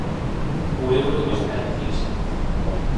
O euro está en crise.